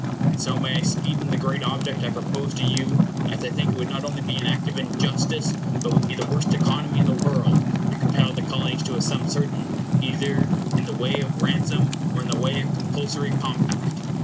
And so may I speed in the great object I propose to you, as I think it would not only be an act of injustice, but would be the worst economy in the world, to compel the Colonies to a sum certain, either in the way of ransom or in the way of compulsory compact.